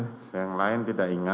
yang lain tidak ingat